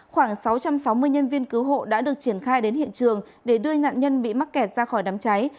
khoảng sáu trăm sáu mươi nhân viên cứu hộ đã được triển khai đến hiện trường để đưa nạn nhân bị mắc kẹt ra khỏi đám cháy